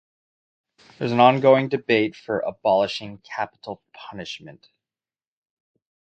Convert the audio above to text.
There is ongoing debate for abolishing capital punishment.